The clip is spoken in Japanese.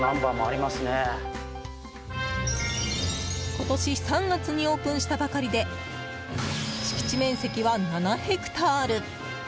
今年３月にオープンしたばかりで敷地面積は７ヘクタール。